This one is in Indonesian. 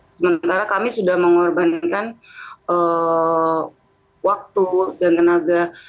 sementara kami sudah mengorbankan waktu dan tenaga